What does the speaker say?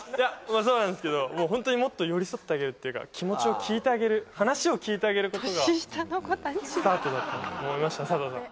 あそうなんすけどもうホントにもっと寄り添ってあげるっていうか気持ちを聞いてあげる話を聞いてあげることがスタートだと思いました佐藤さん